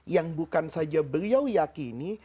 yang bukan saja beliau yakini